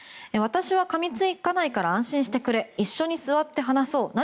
私はかみつないから安心してくれ一緒に座って話そう。